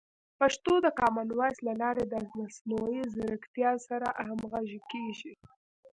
پښتو د کامن وایس له لارې د مصنوعي ځیرکتیا سره همغږي کیږي.